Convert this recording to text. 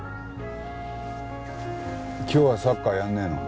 今日はサッカーやらねえの？